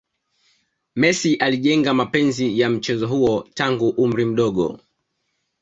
messi alijenga mapenzi ya mchezo huo tangu umri mdogo